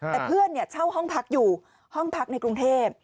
แต่เพื่อนเช่าห้องพักอยู่ห้องพักในกรุงเทพ